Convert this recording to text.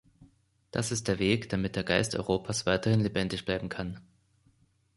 Das ist der Weg, damit der Geist Europas weiterhin lebendig bleiben kann.